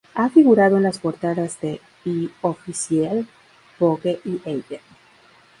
Ha figurado en las portadas de "L'Officiel", "Vogue" y "Elle".